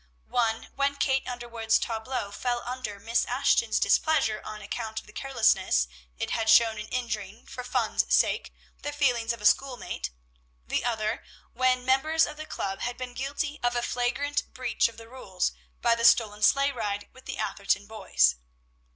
One when Kate Underwood's tableaux fell under Miss Ashton's displeasure on account of the carelessness it had shown in injuring, for fun's sake, the feelings of a schoolmate; the other when members of the club had been guilty of a flagrant breach of the rules, by the stolen sleigh ride with the Atherton boys.